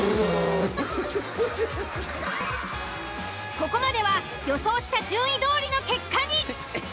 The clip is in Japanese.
ここまでは予想した順位どおりの結果に。